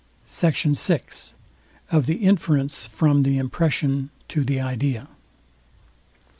SECT. VI. OF THE INFERENCE FROM THE IMPRESSION TO THE IDEA.